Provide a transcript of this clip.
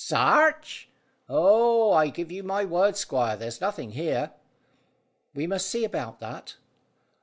"Sarch? Oh, I give you my word, squire, there's nothing here." "We must see about that."